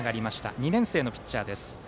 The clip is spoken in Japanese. ２年生のピッチャーです。